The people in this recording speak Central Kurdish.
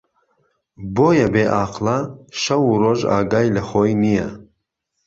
بۆیه بێ عاقڵه شەو و ڕۆژ ئاگای له خۆی نییه